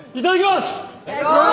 いただきます！